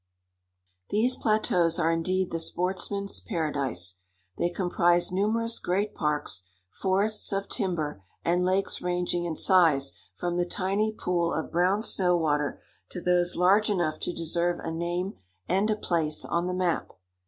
These plateaus are indeed the sportsman's paradise. They comprise numerous great parks, forests of timber, and lakes ranging in size from the tiny pool of brown snow water to those large enough to deserve a name and a place on the map.